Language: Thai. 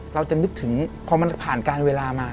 เราจะนึกถึงพอมันผ่านการเวลามา